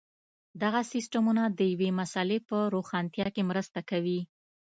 دغه سیسټمونه د یوې مسئلې په روښانتیا کې مرسته کوي.